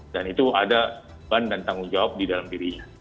dan itu ada ban dan tanggung jawab di dalam dirinya